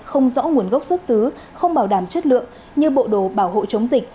không rõ nguồn gốc xuất xứ không bảo đảm chất lượng như bộ đồ bảo hộ chống dịch